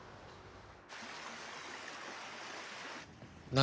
何？